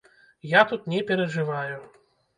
Я тут не перажываю.